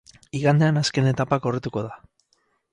Igandean azken etapa korrituko da.